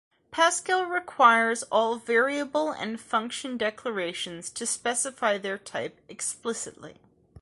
Pascal requires all variable and function declarations to specify their type explicitly.